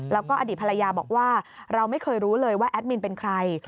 แล้วก็อดีตภรรยาบอกว่าเราไม่เคยรู้เลยว่าแอดมินเป็นใคร